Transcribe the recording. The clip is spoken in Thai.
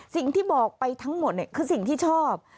สิ่งที่บอกไปทั้งหมดคือสิ่งที่ชอบ